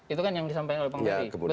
itu kan yang disampaikan oleh bang doni